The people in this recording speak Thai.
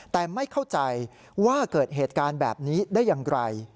แต่ไม่เข้าใจว่าเกิดเหตุการณ์แบบนี้ได้อย่างไร